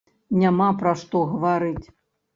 Няма пра што гаварыць.